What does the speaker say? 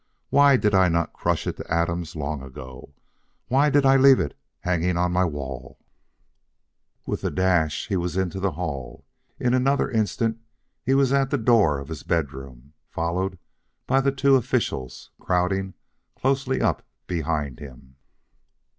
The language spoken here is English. Why did I not crush it to atoms long ago? Why did I leave it hanging on my wall " With a dash he was in the hall. In another instant he was at the door of his bedroom, followed by the two officials crowding closely up behind him.